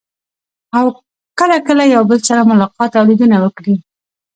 او کله کله یو بل سره ملاقات او لیدنه وکړي.